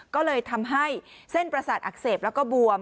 ก็เลยทำให้เส้นประสาทอักเสบแล้วก็บวม